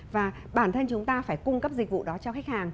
và bản thân chúng ta phải cung cấp dịch vụ đó cho khách hàng